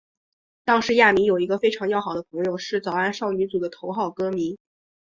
当时亚弥有一个非常要好的朋友是早安少女组的头号歌迷。